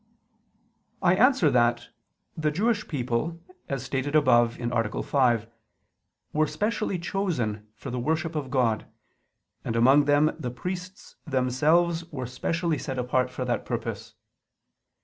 I answer that, The Jewish people, as stated above (A. 5), were specially chosen for the worship of God, and among them the priests themselves were specially set apart for that purpose.